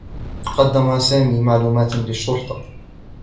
قدّم سامي معلومات للشّرطة.